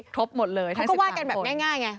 ทบหมดเลยทั้ง๑๓คน